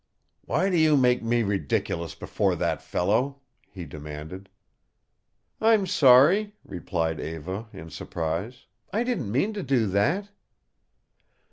"Why do you make me ridiculous before that fellow?" he demanded. "I'm sorry," replied Eva, in surprise. "I didn't meant to do that."